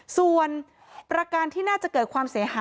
ส่วนประการที่น่าจะเกิดความเสียหาย